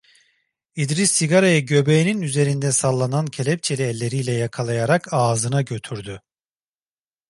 İdris sigarayı göbeğinin üzerinde sallanan kelepçeli elleriyle yakalayarak ağzına götürdü.